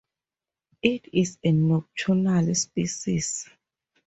It is a nocturnal species.